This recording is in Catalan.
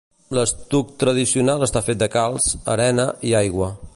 L'estuc tradicional està fet de calç, arena i aigua.